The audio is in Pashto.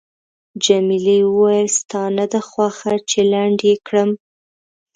جميلې وويل:، ستا نه ده خوښه چې لنډ یې کړم؟